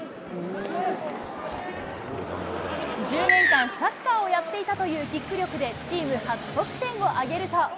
１０年間、サッカーをやっていたというキック力で、チーム初得点を挙げると。